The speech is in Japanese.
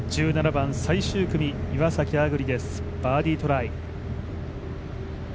１７番、最終組、岩崎亜久竜です、バーディートライ。